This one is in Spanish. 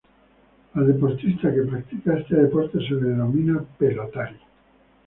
Al deportista que practica este deporte se le denomina "pelotari".